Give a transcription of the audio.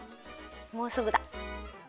もうすぐだ。